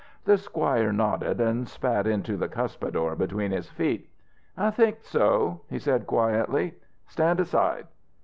The squire nodded and spat into the cuspidor between his feet. "I think so," he said quietly, "Stand aside.